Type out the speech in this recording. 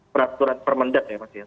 peraturan permendak ya mas ya